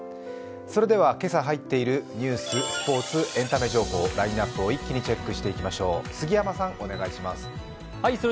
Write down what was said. それでは今朝入っているニュース、スポーツ、エンタメ情報ラインナップを一気にチェックしていきましょう。